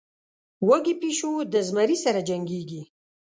وږى پيشو د زمري سره جنکېږي.